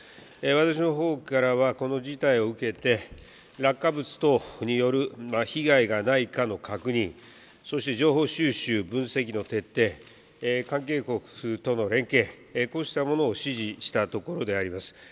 私のほうからはこの事態を受けて、落下物等による被害がないかの確認、そして情報収集、分析の徹底、関係国との連携、こうしたものを指示したところであります。